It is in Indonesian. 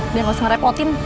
udah gak usah ngerepotin